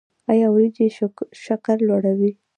ایا وریجې شکر لوړوي؟